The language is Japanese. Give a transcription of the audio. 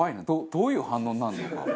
どういう反応になるのか。